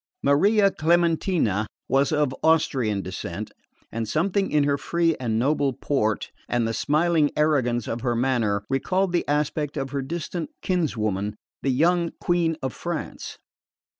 Maria Clementina was of Austrian descent, and something in her free and noble port and the smiling arrogance of her manner recalled the aspect of her distant kinswoman, the young Queen of France.